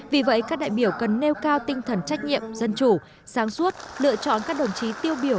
vì vậy các đại biểu cần nêu cao tinh thần trách nhiệm dân chủ sáng suốt lựa chọn các đồng chí tiêu biểu